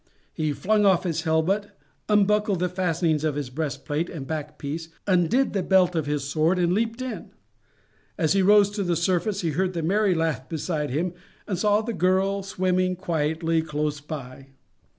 He flung off his helmet, unbuckled the fastenings of his breast plate and back piece, undid the belt of his sword, and leaped in. As he rose to the surface he heard a merry laugh beside him, and saw the girl swimming quietly close by.